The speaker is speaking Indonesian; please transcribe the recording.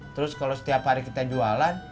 terus kalau setiap hari kita jualan